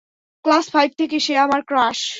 Class five থেকে সে আমার ক্রাশ।